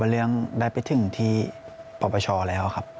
เรื่องได้ไปถึงที่ปปชแล้วครับ